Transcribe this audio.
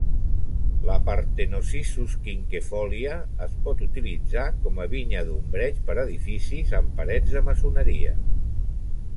La "Parthenocissus quinquefolia" es pot utilitzar com a vinya d'ombreig per edificis amb parets de maçoneria.